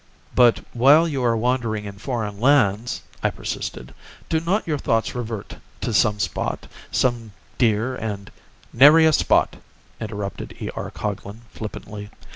"But while you are wandering in foreign lands," I persisted, "do not your thoughts revert to some spot—some dear and—" "Nary a spot," interrupted E. R. Coglan, flippantly.